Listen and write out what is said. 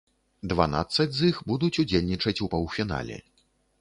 Дванаццаць з іх будуць удзельнічаць у паўфінале.